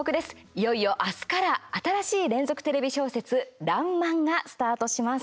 いよいよ明日から新しい連続テレビ小説「らんまん」がスタートします。